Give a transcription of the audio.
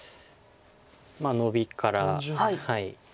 ノビから。